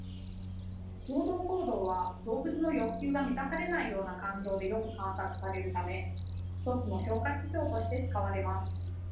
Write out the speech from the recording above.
常同行動は動物の欲求が満たされないような環境でよく観察されるため一つの評価指標として使われます。